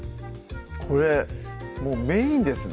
これもうメインですね